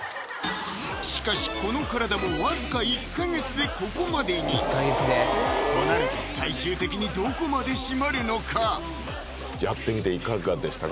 しかしこの体もわずか１か月でここまでにとなると最終的にどこまで締まるのか⁉やってみていかがしたか？